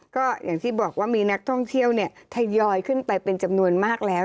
ก็อย่างที่บอกว่ามีนักท่องเที่ยวเนี่ยทยอยขึ้นไปเป็นจำนวนมากแล้ว